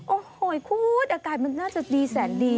โอ้โหคุณอากาศมันน่าจะดีแสนดี